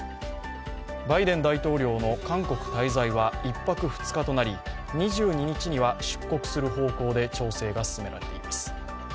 バイデン大統領の韓国滞在は１泊２日となり、２２日には出国する方向で調整が進められています。